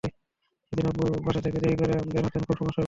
যেদিন আব্বু বাসা থেকে দেরি করে বের হতেন খুব সমস্যায় পড়তে হতো।